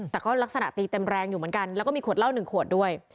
แต่ก็ลักษณะตีเต็มแรงอยู่เหมือนกันแล้วก็มีขวดเหล้าหนึ่งขวดด้วย